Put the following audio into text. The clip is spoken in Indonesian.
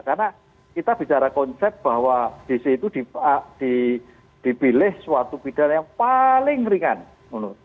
karena kita bicara konsep bahwa di situ dipilih suatu bidang yang paling ringan